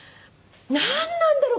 「なんなんだろう？